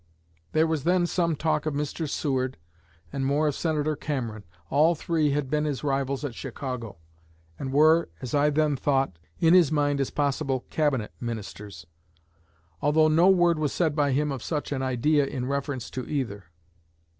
There was then some talk of Mr. Seward, and more of Senator Cameron. All three had been his rivals at Chicago, and were, as I then thought, in his mind as possible Cabinet ministers; although no word was said by him of such an idea in reference to either.